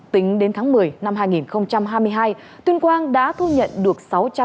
tính đến tháng một mươi năm hai nghìn hai mươi hai tuyên quang đã thu nhận được